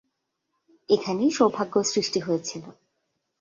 এখানেই সৌভাগ্য সৃষ্টি হয়েছিল।